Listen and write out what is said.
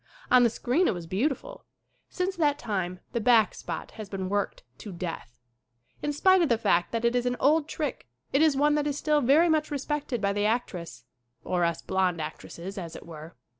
On the screen it was beautiful. Since that time the "back spot" has been worked to death. In spite of the fact that it is an old trick it is one that is still very much respected by the actress or us blond actresses, as it were.